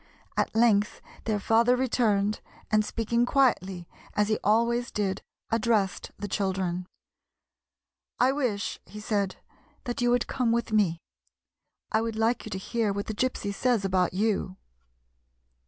At length their father returned, and, speaking quietly, as he always did, addressed the children :" I wish," he said, " that you would come with me. I would like you to hear what the Gypsy says about you."